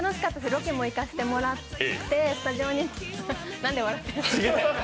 ロケも行かせてもらってスタジオに、何で笑ってるんですか？